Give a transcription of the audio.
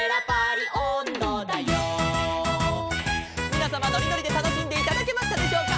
「みなさまのりのりでたのしんでいただけましたでしょうか」